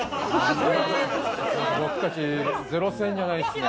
僕たち零戦じゃないっすね。